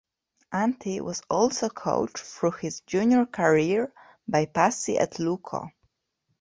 Antti was also coached through his junior career by Pasi at Lukko.